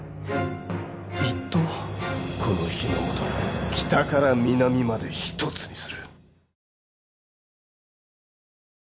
この日ノ本を北から南まで一つにする。